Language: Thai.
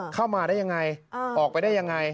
เข้ามาได้อย่างไรออกไปได้อย่างไร